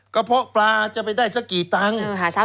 เพาะปลาจะไปได้สักกี่ตังค์